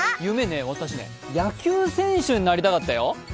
私、野球選手になりたかったよ。